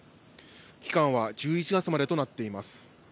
期間は１１月までとなっています。